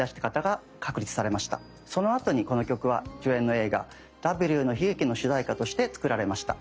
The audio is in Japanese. そのあとにこの曲は主演の映画「Ｗの悲劇」の主題歌として作られました。